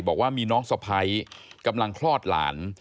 บอกว่ามีน้องสะพ้ายกำลังคลอดหลาน